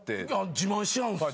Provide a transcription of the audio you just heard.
自慢し合うんですよ。